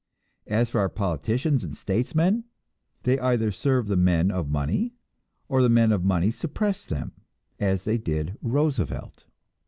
As for our politicians and statesmen, they either serve the men of money, or the men of money suppress them, as they did Roosevelt.